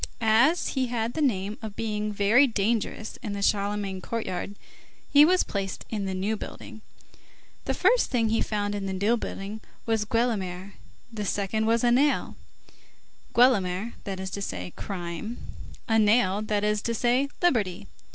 As he had the name of being very dangerous in the Charlemagne courtyard, he was placed in the New Building. The first thing he found in the New Building was Guelemer, the second was a nail; Guelemer, that is to say, crime; a nail, that is to say, liberty.